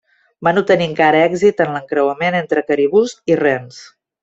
Van obtenir encara èxit en l'encreuament entre caribús i rens.